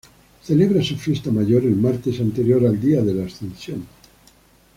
Celebra su fiesta mayor el martes anterior al día de la Ascensión.